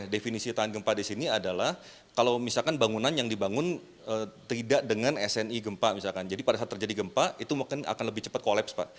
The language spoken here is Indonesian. definisi tahan gempa di sini adalah kalau misalkan bangunan yang dibangun tidak dengan sni gempa misalkan jadi pada saat terjadi gempa itu mungkin akan lebih cepat kolaps pak